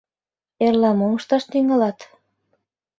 Эрла мом ышташ тӱҥалат?